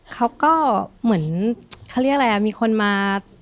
เขาก็เหมือนเขาเรียกอะไรอ่ะมีคนมา